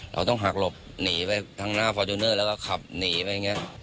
เราต้องหักหลบหนีไปทางหน้าฟอร์จูเนอร์แล้วก็ขับหนีไปอย่างนี้